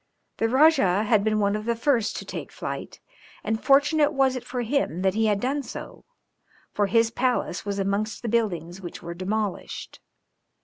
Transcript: The Rajah had been one of the first to take flight, and fortunate was it for him that he had done so, for his palace was amongst the buildings which were demolished.